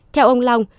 theo ông long